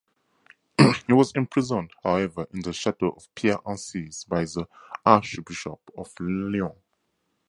He was imprisoned, however, in the chateau of Pierre-Encise by the archbishop of Lyon.